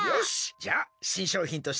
じゃあしんしょうひんとしていけるな！